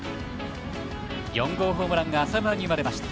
４号ホームランが浅村に生まれました。